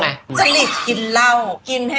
มันอยู่ที่จริงโค้นมือ